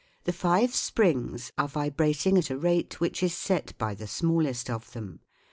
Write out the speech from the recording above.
The five springs are vibrating at a rate which is set by the smallest of them.